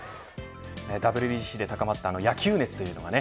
ＷＢＣで高まった野球熱というのがね